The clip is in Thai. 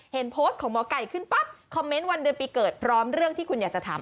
เห็นโพสต์ของหมอไก่ขึ้นปั๊บคอมเมนต์วันเดือนปีเกิดพร้อมเรื่องที่คุณอยากจะถาม